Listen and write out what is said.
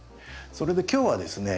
それで今日はですね